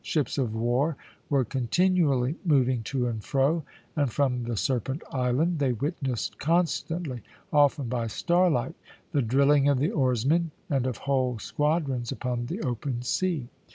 Ships of war were continually moving to and fro, and from the Serpent Island they witnessed constantly, often by starlight, the drilling of the oarsmen and of whole squadrons upon the open sea.